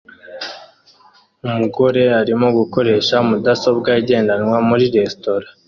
Umugore arimo gukoresha mudasobwa igendanwa muri resitora